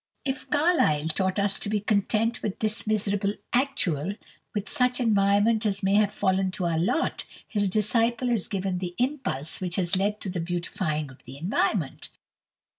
If Carlyle taught us to be content with this "miserable actual," with such environment as may have fallen to our lot, his disciple has given the impulse which has led to the beautifying of that environment.